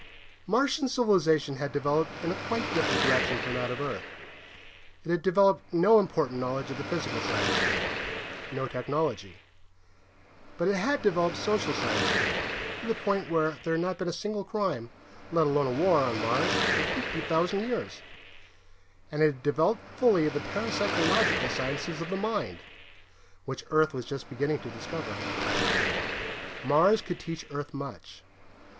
Martian civilization had developed in a quite different direction from that of Earth. It had developed no important knowledge of the physical sciences, no technology. But it had developed social sciences to the point where there had not been a single crime, let alone a war, on Mars for fifty thousand years. And it had developed fully the parapsychological sciences of the mind, which Earth was just beginning to discover. Mars could teach Earth much.